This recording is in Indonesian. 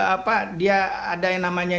apa dia ada yang namanya